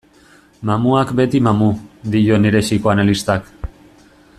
Mamuak beti mamu, dio nire psikoanalistak.